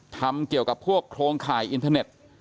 ทำเกี่ยวกับพวกโครงข่ายอินเทอร์เน็ต